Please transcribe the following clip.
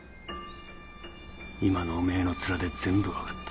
今のおめえのツラで全部分かった。